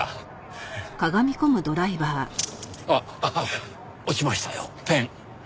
ええ。あっ落ちましたよペン。